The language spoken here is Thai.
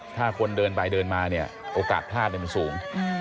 ถ้าคนเดินไปเดินมาโอกาสท่านเนี่ยมันสูง